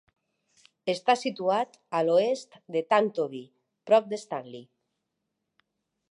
Està situat a l'oest de Tantobie, prop de Stanley.